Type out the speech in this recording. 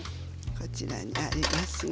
こちらになりますが。